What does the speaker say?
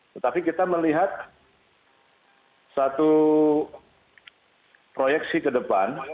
tetapi kita melihat satu proyeksi ke depan